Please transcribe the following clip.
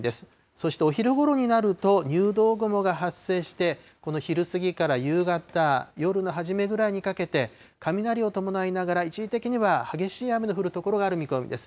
そしてお昼ごろになると、入道雲が発生して、この昼過ぎから夕方、夜の初めぐらいにかけて、雷を伴いながら一時的には激しい雨の降る所がある見込みです。